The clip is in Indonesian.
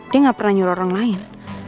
dia ga pernah nyuruh orang lain